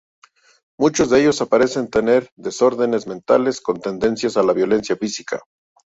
Muchos de ellos parecen tener desórdenes mentales con tendencia a la violencia física.